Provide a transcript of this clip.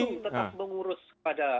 tetap mengurus fokus kepada pandemi